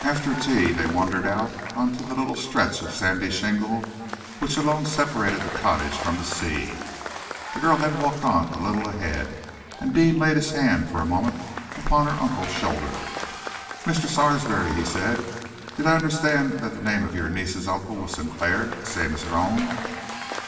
After tea, they wandered out on to the little stretch of sandy shingle which alone separated the cottage from the sea. The girl had walked on a little ahead, and Deane laid his hand for a moment upon her uncle's shoulder. "Mr. Sarsby," he said, "did I understand that the name of your niece's uncle was Sinclair the same as her own?"